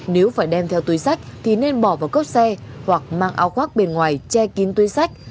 nếu phải đem theo túi sách thì nên bỏ vào cốp xe hoặc mang áo khoác bên ngoài che kín túi sách